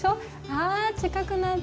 あ近くなった。